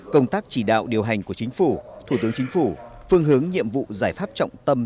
công tác chỉ đạo điều hành của chính phủ thủ tướng chính phủ phương hướng nhiệm vụ giải pháp trọng tâm